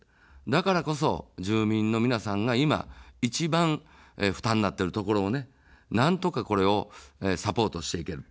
だからこそ、住民の皆さんが今、一番負担になっているところをなんとかこれをサポートしていける。